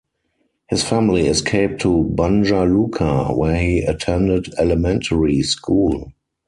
His family escaped to Banja Luka, where he attended elementary school.